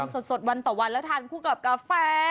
อ๋อดีจังสดวันต่อวันแล้วทานคู่กับกาแฟ